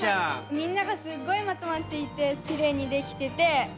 みんながすごいまとまっていてきれいにできててうれしかったです。